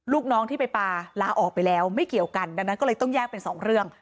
ลูกน้องที่ไปปลาลาออกไปแล้วไม่เกี่ยวกันดังนั้นก็เลยต้องแยกเป็นสองเรื่อง